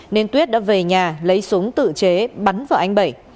nên tuyết đã về nhà lấy súng tự chế bắn vào anh bảy